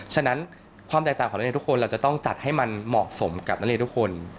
ฉะนั้นความแตกต่างของนักเรียนทุกคนเราจะต้องจัดให้มันเหมาะสมกับนักเรียนทุกคน